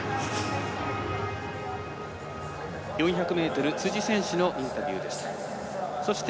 ４００ｍ辻選手のインタビューでした。